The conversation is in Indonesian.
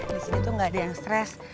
di sini tuh gak ada yang stres